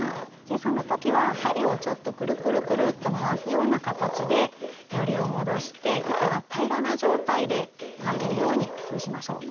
その時は針をちょっとくるくるくると回すような形でヨリを戻して糸が平らな状態で巻けるように工夫しましょう。